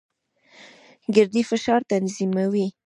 ګردې فشار تنظیموي.